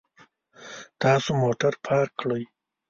تاسو موټر پارک کړئ